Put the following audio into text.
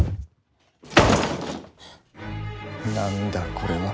何だこれは。